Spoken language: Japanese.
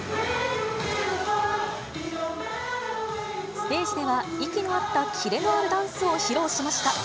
ステージでは、息の合ったキレのあるダンスを披露しました。